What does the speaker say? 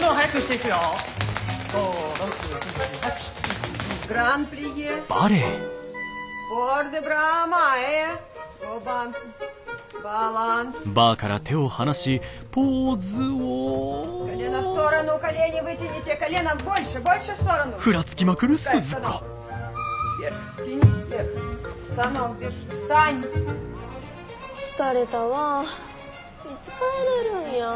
いつ帰れるんや。